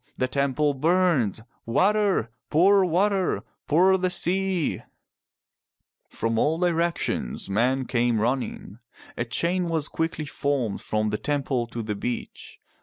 The temple burns. Water! Pour water ! Pour the sea !" From all directions men came running. A chain was quickly formed from the temple to the beach.